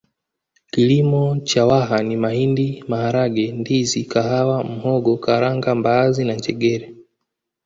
Kilimo cha Waha ni mahindi maharage ndizi kahawa mhogo karanga mbaazi na njegere